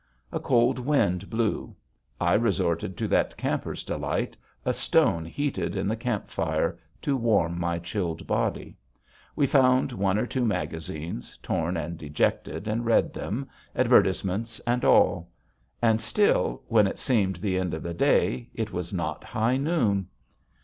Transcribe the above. A cold wind blew. I resorted to that camper's delight a stone heated in the camp fire to warm my chilled body. We found one or two magazines, torn and dejected, and read them, advertisements and all. And still, when it seemed the end of the day, it was not high noon.